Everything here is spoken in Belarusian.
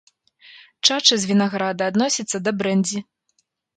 Чача з вінаграда адносіцца да брэндзі.